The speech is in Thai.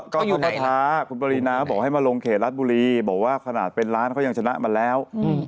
ก็คือมาท้าคุณปรินาบอกให้มาลงเขตรัฐบุรีบอกว่าขนาดเป็นล้านเขายังชนะมาแล้ว